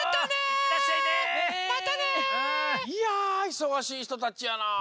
いやいそがしいひとたちやなあ。